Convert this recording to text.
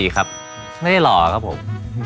ครับไม่ได้หล่อครับผม